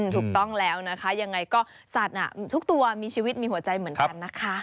ถูกต้องแล้วนะคะยังไงก็สัตว์ทุกตัวมีชีวิตมีหัวใจเหมือนกันนะคะ